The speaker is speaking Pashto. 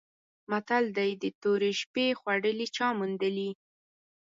متل دی: د تورې شپې خوړلي چا موندلي؟